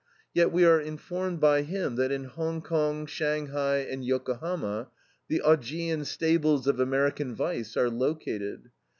Yet we are informed by him that in Hong Kong, Shanghai, and Yokohama, the Augean stables of American vice are located.